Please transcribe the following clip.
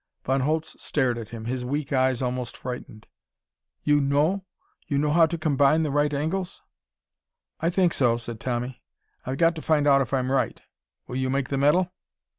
Von Holtz stared at him, his weak eyes almost frightened. "You know? You know how to combine the right angles?" "I think so," said Tommy. "I've got to find out if I'm right. Will you make the metal?"